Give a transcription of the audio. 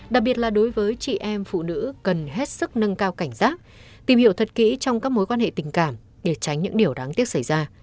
đặc biệt là đối với chị em phụ nữ cần hết sức nâng cao cảnh giác tìm hiểu thật kỹ trong các mối quan hệ tình cảm để tránh những điều đáng tiếc xảy ra